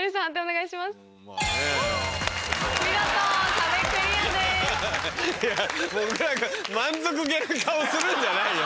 いや何か満足げな顔するんじゃないよ。